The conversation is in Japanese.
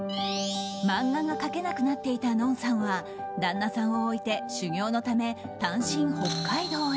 漫画が描けなくなっていたＮＯＮさんは旦那さんを置いて修業のため単身、北海道へ。